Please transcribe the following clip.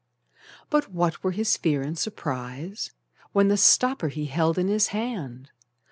_] But what were his fear and surprise When the stopper he held in his hand!